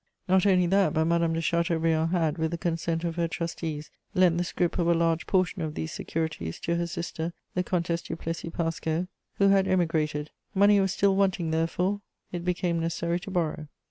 Not only that, but Madame de Chateaubriand had, with the consent of her trustees, lent the scrip of a large portion of these securities to her sister, the Comtesse du Plessix Parscau, who had emigrated. Money was still wanting, therefore; it became necessary to borrow.